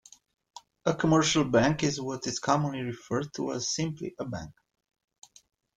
A commercial bank is what is commonly referred to as simply a bank.